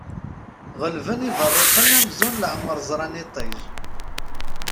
Ɣelben iberriqen amzun leɛmer ẓran iṭij.